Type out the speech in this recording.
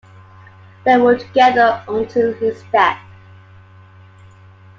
They were together until his death.